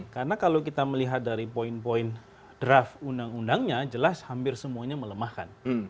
karena kalau kita melihat dari poin poin draft undang undangnya jelas hampir semuanya melemahkan